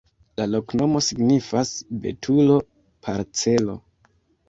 La loknomo signifas: betulo-parcelo.